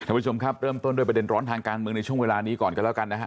ผู้ชมครับเริ่มต้นด้วยประเด็นร้อนทางการเมืองในช่วงเวลานี้ก่อนกันแล้วกันนะฮะ